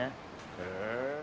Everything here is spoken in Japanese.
へえ。